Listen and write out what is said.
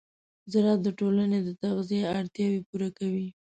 زراعت د ټولنې د تغذیې اړتیاوې پوره کوي.